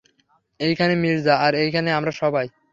এইখানে মির্জা, আর এইখানে আমরা সবাই।